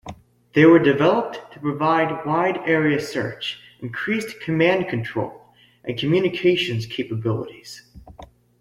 They were developed to provide wide area search, increased command control, and communications capabilities.